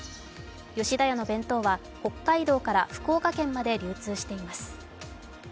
吉田屋の弁当は北海道から福岡県まで流通しています。